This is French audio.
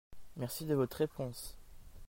merci de votre réponse.